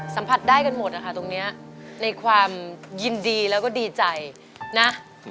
สัมผัสได้กันหมดนะคะตรงนี้ในความยินดีแล้วก็ดีใจนะ